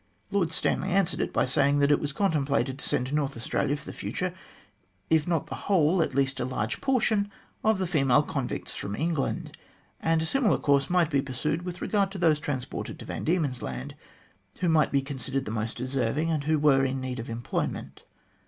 Lord Stanley answered it by saying that it was contemplated to send to North Australia for the future, if not the whole, at least a large portion of the female convicts from England, and a similar course might be pursued with regard to those transported to Van Diemen's Land, who might be considered the most deserving, and who were in need of employment.